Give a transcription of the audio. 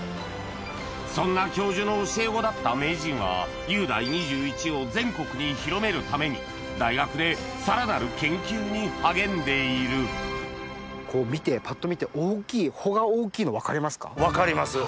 そんな教授の教え子だった名人はゆうだい２１を全国に広めるために大学でさらなる研究に励んでいるパッと見て穂が大きいの分かりますか？